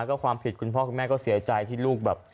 ก็ความผิดคุณพ่อคุณแม่ก็เสียใจที่ลูกแบบ